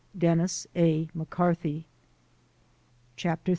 Denis A. McCarthy. CHAPTER XT!!